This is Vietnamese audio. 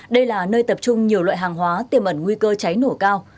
đây là nơi tập trung nhiều loại hàng hóa tiềm ẩn nguy cơ cháy nổ cao